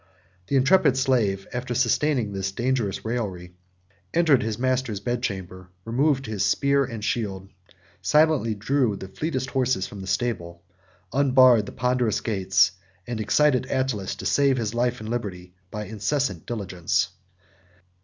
The intrepid slave, after sustaining this dangerous raillery, entered his master's bedchamber; removed his spear and shield; silently drew the fleetest horses from the stable; unbarred the ponderous gates; and excited Attalus to save his life and liberty by incessant diligence.